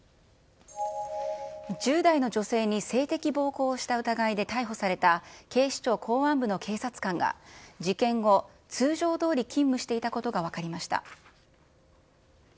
１０代の女性に性的暴行をした疑いで逮捕された、警視庁公安部の警察官が、事件後、通常どおり勤務していたことが分かりました。